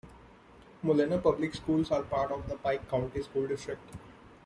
Molena Public Schools are part of the Pike County School District.